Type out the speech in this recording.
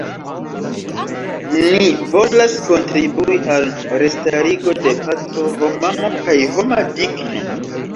Ni volas kontribui al restarigo de paco, homamo kaj homa digno.